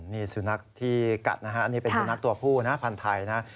นี่สูนักที่กัดนะฮะนี่เป็นสูนักตัวผู้ภัณฑ์ไทยนะ